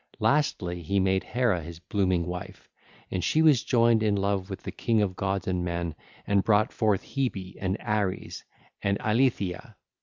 (ll. 921 923) Lastly, he made Hera his blooming wife: and she was joined in love with the king of gods and men, and brought forth Hebe and Ares and Eileithyia.